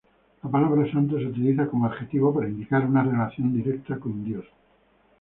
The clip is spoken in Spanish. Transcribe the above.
La palabra "santo" se utiliza como adjetivo para indicar una relación directa con Dios.